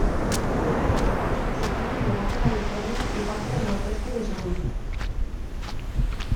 Opera en los estados mexicanos de Baja California y parte del noroeste de Sonora.